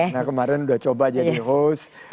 karena kemarin udah coba jadi host